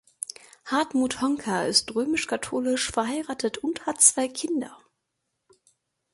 Hartmut Honka ist römisch-katholisch, verheiratet und hat zwei Kinder.